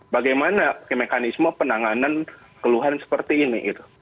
bagaimana mekanisme penanganan keluhan seperti ini